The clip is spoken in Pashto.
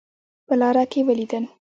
په لاره کې ولیدل.